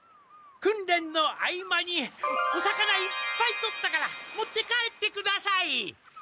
くんれんの合間にお魚いっぱい取ったから持って帰ってください！